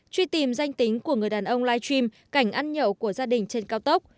truy tìm danh tính của người đàn ông live stream cảnh ăn nhậu của gia đình trên cao tốc